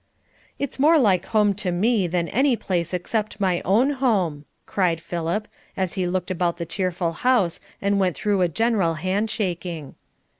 "It's more like home to me, than any place except my own home," cried Philip, as he looked about the cheerful house and went through a general hand shaking.